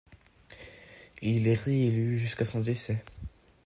Il y est réélu jusqu'à son décès.